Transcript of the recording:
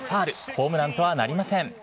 ホームランとはなりません。